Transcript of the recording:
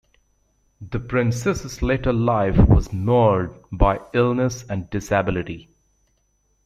The Princess's later life was marred by illness and disability.